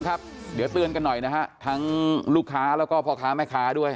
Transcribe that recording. ครับเดี๋ยวเตือนกันหน่อยนะฮะทั้งลูกค้าแล้วก็พ่อค้าแม่ค้าด้วย